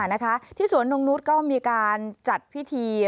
นะคะที่สวนนงนุษย์ก็มีการจัดพิธี